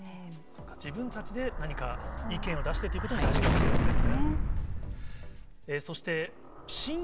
自分たちで何か意見を出してということも大事かもしれませんね。